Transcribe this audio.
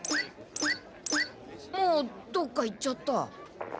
もうどっか行っちゃった。